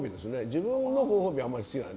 自分のご褒美は好きじゃない。